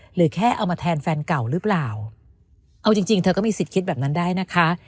หรือแค่เอามาแทนแฟนเก่าหรือเปล่าเอาจริงจริงเธอก็มีสิทธิ์คิดแบบนั้นได้นะคะ